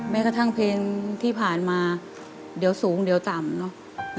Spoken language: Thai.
แม้กระทั่งเพลงที่ผ่านมาเดี๋ยวสูงเดี๋ยวต่ำเนอะ